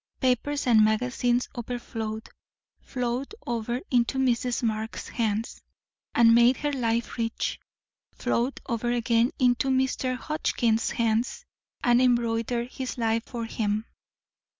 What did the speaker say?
Papers and magazines overflowed, flowed over into Mrs. Marx's hands, and made her life rich; flowed over again into Mr. Hotchkiss's hands, and embroidered his life for him.